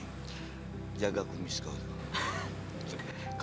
nanti aku akan berbicara dengannya